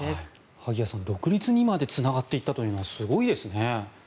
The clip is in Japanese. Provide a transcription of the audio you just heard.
萩谷さん、独立にまでつながっていったというのはすごいですよね。